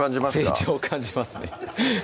成長を感じますね